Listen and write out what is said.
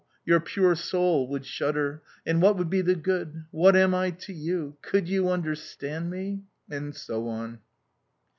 Your pure soul would shudder! And what would be the good? What am I to you? Could you understand me?"... and so on.